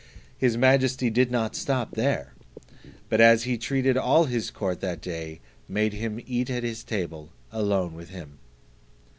His majesty did not stop here: but as he treated all his court that day, made him eat at his table alone with him.